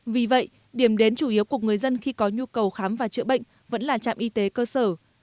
vì vậy điểm đến chủ yếu của người dân khi có nhu cầu khám và chữa bệnh vẫn là trạm y tế cơ sở